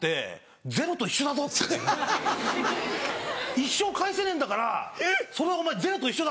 「一生返せねえんだからそれはお前０と一緒だ。